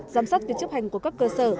giám sát việc chấp hành của các cơ sở